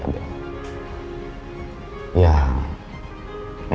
kamu seperti menghindar dari saya bel